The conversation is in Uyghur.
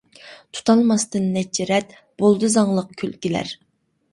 تۇتالماستىن نەچچە رەت، بولدى زاڭلىق كۈلكىلەر.